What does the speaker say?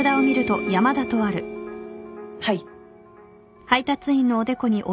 はい。